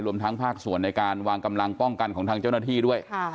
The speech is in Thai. รวมทั้งภาคส่วนในการวางกำลังป้องกันของทางเจ้าหน้าที่ด้วย